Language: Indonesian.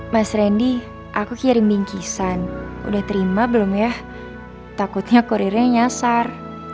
mas randy aku kirim bingkisan udah terima belum ya takutnya kurirnya nyasar